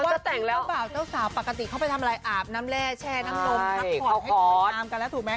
แต่งแล้วบ่าวเจ้าสาวปกติเขาไปทำอะไรอาบน้ำแร่แช่น้ำนมพักผ่อนให้สวยงามกันแล้วถูกไหม